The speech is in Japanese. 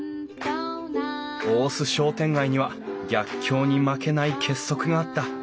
大須商店街には逆境に負けない結束があった。